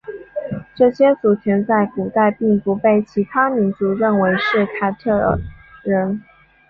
这些族群在古代并不被其他民族认为是凯尔特人。